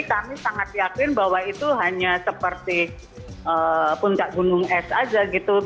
kami sangat yakin bahwa itu hanya seperti puncak gunung es aja gitu